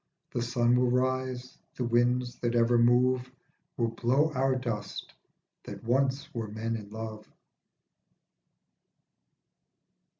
The sun will rise, the winds that ever move Will blow our dust that once were men in love.